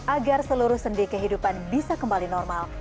agar seluruh sendi kehidupan bisa kembali normal